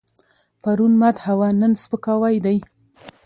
پرون مدح وه، نن سپکاوی دی.